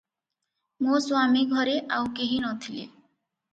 ମୋ ସ୍ୱାମୀଘରେ ଆଉ କେହି ନଥିଲେ ।